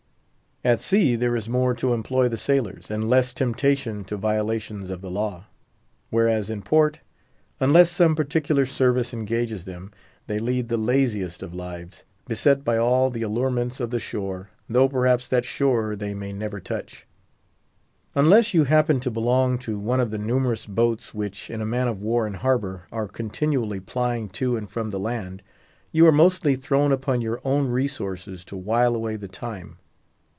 At sea there is more to employ the sailors, and less temptation to violations of the law. Whereas, in port, unless some particular service engages them, they lead the laziest of lives, beset by all the allurements of the shore, though perhaps that shore they may never touch. Unless you happen to belong to one of the numerous boats, which, in a man of war in harbour, are continually plying to and from the land, you are mostly thrown upon your own resources to while away the time.